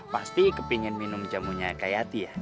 pasti kepingin minum jamunya kayati ya